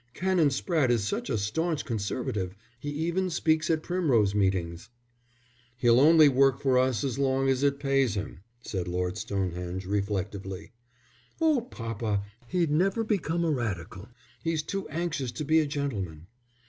"Canon Spratte is such a staunch Conservative. He even speaks at Primrose Meetings." "He'll only work for us as long as it pays him," said Lord Stonehenge, reflectively. "Oh, papa, he'd never become a Radical. He's too anxious to be a gentleman."